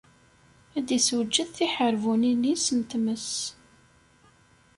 Ad d-issewǧed tiḥerbunin-is n tmes.